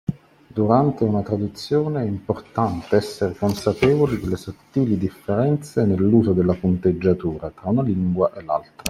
Durante una traduzione è importante essere consapevoli delle sottili differenze nell’uso della punteggiatura tra una lingua e l’altra.